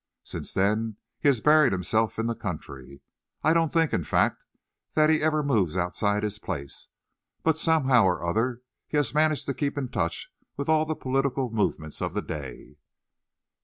Since then he has buried himself in the country. I don't think, in fact, that he ever moves outside his place; but somehow or other he has managed to keep in touch with all the political movements of the day."